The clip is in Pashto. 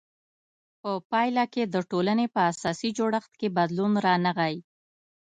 په پایله کې د ټولنې په اساسي جوړښت کې بدلون رانغی.